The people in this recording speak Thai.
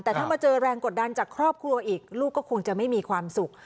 แต่ถ้ามาเจอแรงกดดันจากครอบครัวอีกลูกก็คงจะไม่มีความสุข